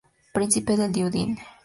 Príncipe di Udine.